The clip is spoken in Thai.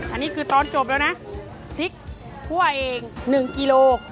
อันนี้คือตอนจบแล้วนะพริกถ้วยเอง๑กิโล